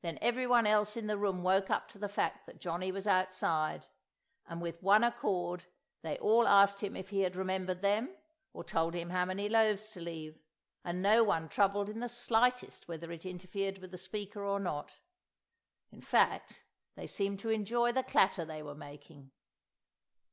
Then everyone else in the room woke up to the fact that Johnny was outside, and with one accord they all asked him if he had remembered them, or told him how many loaves to leave, and no one troubled in the slightest whether it interfered with the speaker or not. In fact, they seemed to enjoy the clatter they were making.